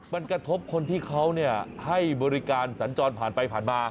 มันกระทบคนที่เขาให้บริการสัญจรผ่านไปผ่านมา